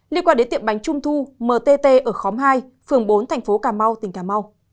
liên quan đến tiệm bánh trung thu mtt ở khóm hai phường bốn thành phố cà mau tỉnh cà mau